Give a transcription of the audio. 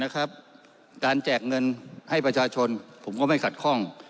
การแจกเงินให้ประชาชนผมก็ไม่ขัดข้อง